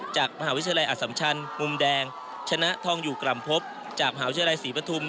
จากมหาวิทยาลัยอสัมชันมุมแดงชนะทองอยู่กล่ำพบจากมหาวิทยาลัยศรีปฐุม